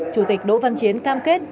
chủ tịch đỗ văn chiến cam kết